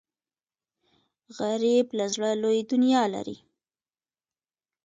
غریب له زړه لوی دنیا لري